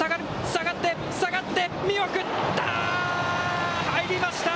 下がって、下がって、見送った！